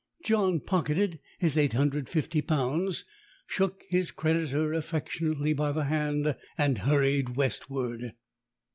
John pocketed his eight hundred and fifty pounds, shook his creditor affectionately by the hand, and hurried westward.